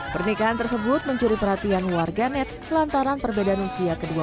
pernikahan tersebut mencuri perhatian warganet lantaran perbedaan usia kedua